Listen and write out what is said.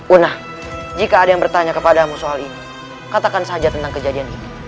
una jika ada yang bertanya kepadamu soal ini katakan saja tentang kejadian ini